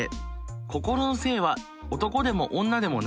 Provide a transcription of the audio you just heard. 心の性は男でも女でもない。